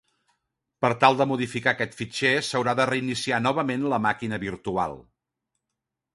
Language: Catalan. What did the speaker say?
Per tal de modificar aquest fitxer s'haurà de reiniciar novament la màquina virtual.